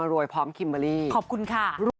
อะไรอย่างเงี้ยคือชอบให้มันสว่าง